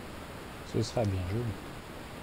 Ce sera bien joli !